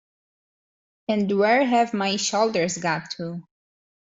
And where have my shoulders got to?